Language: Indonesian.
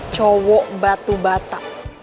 cowok batu bata